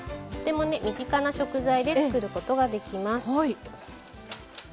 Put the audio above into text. とても身近な食材で作る事ができます。